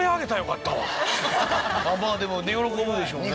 まあでもね喜ぶでしょうね。